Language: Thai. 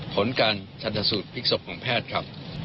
ผลการชัดสูดพิสูจน์ภิกษบของแพทย์ครั้ง